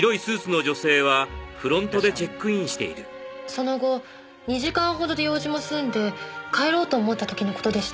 その後２時間ほどで用事も済んで帰ろうと思った時の事でした。